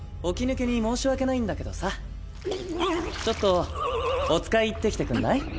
起き抜けに申し訳ないんだけどさちょっとお使い行ってきてくんない？